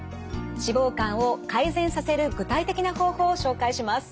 脂肪肝を改善させる具体的な方法を紹介します。